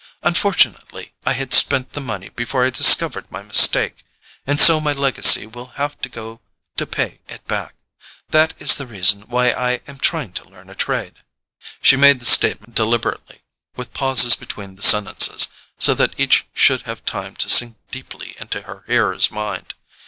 Unfortunately I had spent the money before I discovered my mistake; and so my legacy will have to go to pay it back. That is the reason why I am trying to learn a trade." She made the statement clearly, deliberately, with pauses between the sentences, so that each should have time to sink deeply into her hearer's mind.